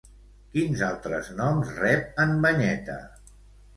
Quins altres noms rep en Banyeta?